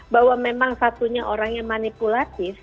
bahwa memang satunya orang yang manipulatif